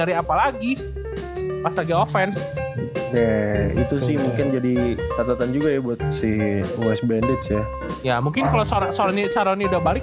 itu sih mungkin jadi tatatan juga ya buat si os bandit ya ya mungkin kalau sony sony udah balik